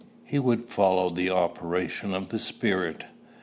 He would follow the operations of the Spirit.